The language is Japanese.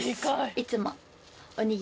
いつも。